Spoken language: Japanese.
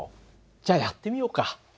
じゃあやってみようか。